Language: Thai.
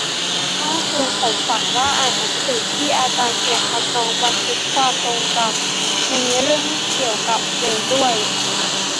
เมื่อคืนผมฝันว่าอ่านหนังสือที่อาจารย์เขียน ทำนองบันทึกความทรงจำ มีเรื่องเกี่ยวกับเพลงด้วย